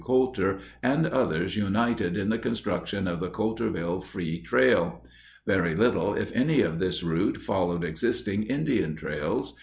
Coulter, and others united in the construction of the "Coulterville Free Trail." Very little, if any, of this route followed existing Indian trails.